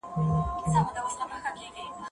هغه څوک چي تکړښت کوي روغ اوسي؟